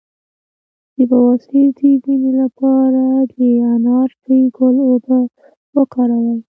د بواسیر د وینې لپاره د انار د ګل اوبه وکاروئ